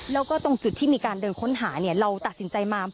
แล้วก็ตรงจุดที่มีการเดินค้นหาเนี่ยเราตัดสินใจมา